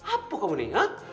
apa kamu nih hah